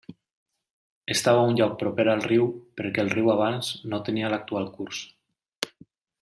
Estava a un lloc proper al riu perquè el riu abans no tenia l'actual curs.